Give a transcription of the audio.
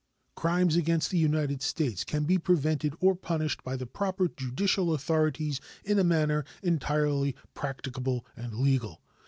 Crimes against the United States can be prevented or punished by the proper judicial authorities in a manner entirely practicable and legal.